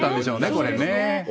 これね。